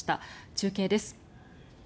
中継です。